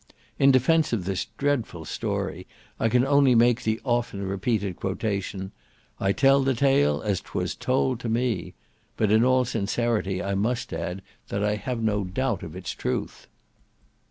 In defence of this dreadful story I can only make the often repeated quotation, "I tell the tale as 'twas told to me;" but, in all sincerity I must add, that I have no doubt of its truth.